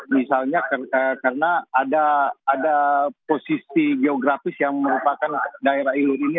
misalnya karena ada posisi geografis yang merupakan daerah ilur ini